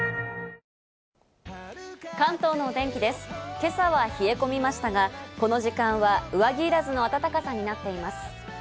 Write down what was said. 今朝は冷え込みましたが、この時間は上着いらずの暖かさになっています。